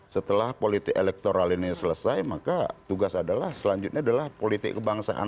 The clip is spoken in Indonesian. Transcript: setelah politik elektoral ini selesai maka tugas adalah selanjutnya adalah politik kebangsaan